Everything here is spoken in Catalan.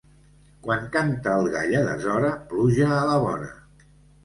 Quan canta el gall a deshora, pluja a la vora.